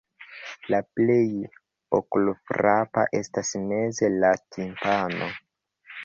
La plej okulfrapa estas meze la timpano.